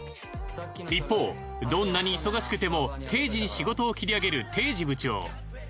一方どんなに忙しくても定時に仕事を切り上げる堤司部長。